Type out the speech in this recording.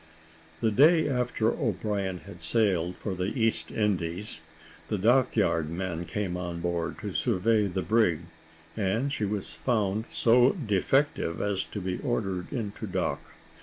The day after O'Brien had sailed for the East Indies, the dock yard men came on board to survey the brig, and she was found so defective, as to be ordered into dock.